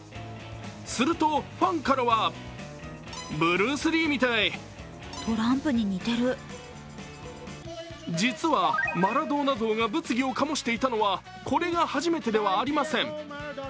するとファンからは実はマラドーナ像が物議を醸していたのはこれが初めてではありません。